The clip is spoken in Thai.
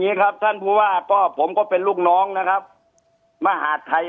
นี้ครับท่านผู้ว่าก็ผมก็เป็นลูกน้องนะครับมหาดไทย